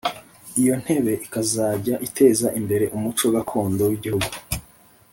Iyo ntebe ikazajya iteza imbere umuco gakondo w’igihugu.